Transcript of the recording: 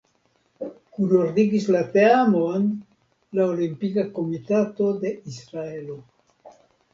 Kunordigis la teamon la Olimpika Komitato de Israelo.